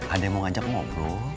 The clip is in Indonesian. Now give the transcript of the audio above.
ada yang mau ngajak ngobrol